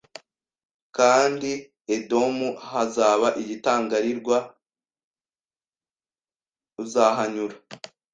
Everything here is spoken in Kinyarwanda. Kandi Edomu hazaba igitangarirwa uzahanyura